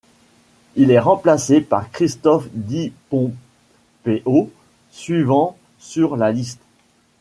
Il est remplacé par Christophe Di Pompeo, suivant sur la liste.